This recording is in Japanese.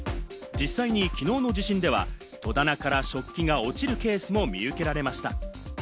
実際に昨日の地震では戸棚から食器が落ちるケースも見受けられました。